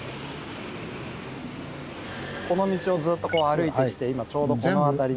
この道をずっと歩いてきて今ちょうどこの辺りに。